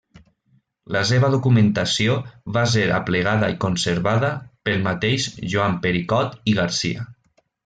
La seva documentació va ser aplegada i conservada pel mateix Joan Pericot i Garcia.